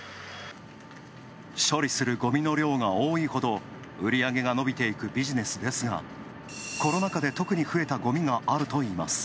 処理するごみの量が多いほど売り上げが伸びていくビジネスですが、コロナ禍で特に増えたごみがあるといいます。